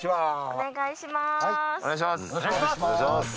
お願いします！